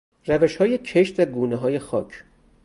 روشهای کشت و گونههای خاک